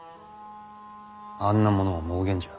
あんなものは妄言じゃ。